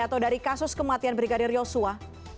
atau dari kasus kematian brigadir yosua